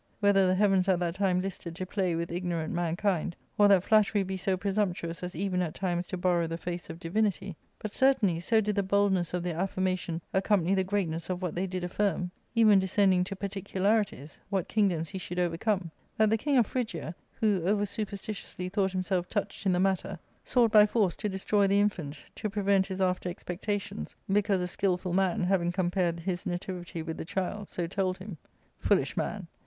Whether the heavens at that time listed to play with ignorant mankind, or that flattery be so presumptuous as even at times to borrow the face of divinity, but certainly, so did the boldness of their affirma tion accompany the greatness of what they did affirm — even descending to particularities, what kingdoms he should over come— that the king of Phrygia, who over superstitiously thought himself touched in the matter, sought by force to destroy the infant, to prevent his after expectations ; because a skilful man, having compared his nativity with the child, so told him. Foolish man